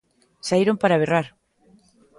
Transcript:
Saíron para berrar.